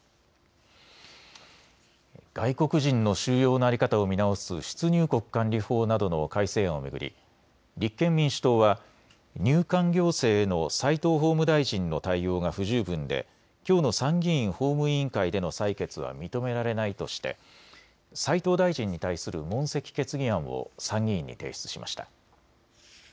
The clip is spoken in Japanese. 外国人の収容の在り方を見直す出入国管理法などの改正案を巡り立憲民主党は入管行政への齋藤法務大臣の対応が不十分できょうの参議院法務委員会での採決は認められないとして齋藤大臣に対する問責決議案を参議院に提出しました。